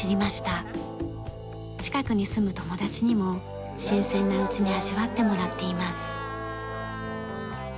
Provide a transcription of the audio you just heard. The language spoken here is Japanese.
近くに住む友達にも新鮮なうちに味わってもらっています。